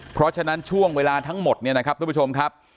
เพราะฉะนั้นช่วงเวลาทั้งหมดเนี่ยนะครับทุกผู้ชมครับ